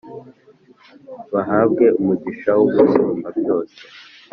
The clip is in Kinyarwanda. bahabwe umugisha w’Umusumbabyose.